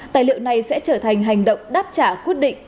tài liệu này sẽ trở thành hành động đáp trả quyết định